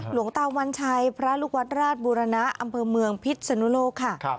หลวงตาวัญชัยพระลูกวัดราชบูรณะอำเภอเมืองพิษสนุโลกค่ะ